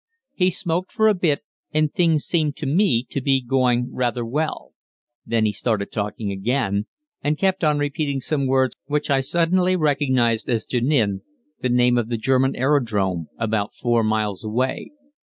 He smoked for a bit, and things seemed to me to be going rather well. Then he started talking again, and kept on repeating some words which I suddenly recognized as Jenin, the name of the German aerodrome about 4 miles away.